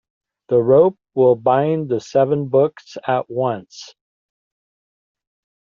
The rope will bind the seven books at once.